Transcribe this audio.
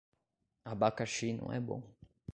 Abacaxi não é bom